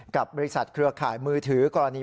กับบริษัทเครือข่ายมือถือกรณี